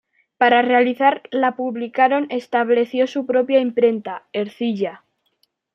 Para realizar la publicaron estableció su propia imprenta, "Ercilla".